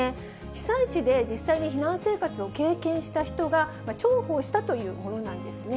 被災地で実際に避難生活を経験した人が、重宝したというものなんですね。